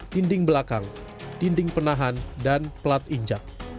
dinding belakang dinding penahan dan pelat injak